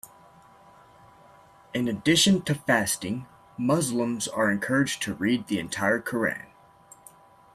In addition to fasting, Muslims are encouraged to read the entire Quran.